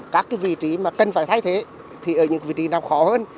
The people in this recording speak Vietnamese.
các cái vị trí mà cần phải thay thế thì ở những vị trí nào khó hơn